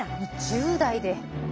１０代で！